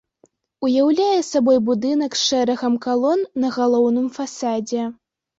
Уяўляе сабой будынак з шэрагам калон на галоўным фасадзе.